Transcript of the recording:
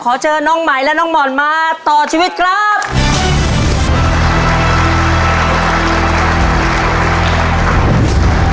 ความรู้ทั่วไปนะ